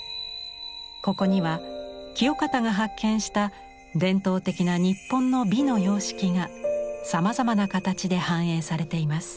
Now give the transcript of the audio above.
ここには清方が発見した伝統的な日本の美の様式がさまざまな形で反映されています。